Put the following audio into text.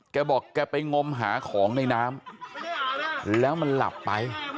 แกบอกแกไปงมหาของในน้ำแล้วมันหลับไป